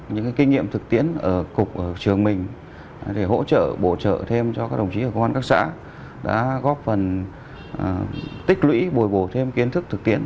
những kinh nghiệm thực tiễn ở cục ở trường mình để hỗ trợ bổ trợ thêm cho các đồng chí ở công an các xã đã góp phần tích lũy bồi bổ thêm kiến thức thực tiễn